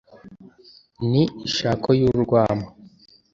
ni ishako y’urwamo